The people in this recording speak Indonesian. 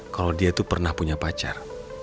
kalo dia tuh pernah punya pacar